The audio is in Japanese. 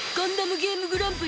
ゲームグランプリ？